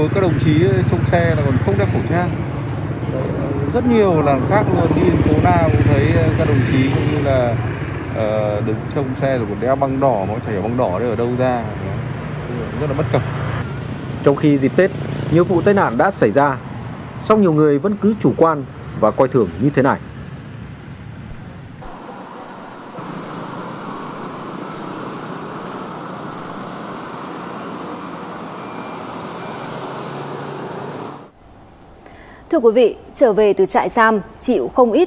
không hiểu sao là vẫn rất nhiều nơi người ta tổ chức những cái bãi chống xe